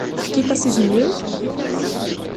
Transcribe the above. Tefkiḍ-as izen-iw?